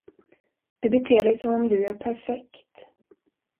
Du beter dig som om du är perfekt.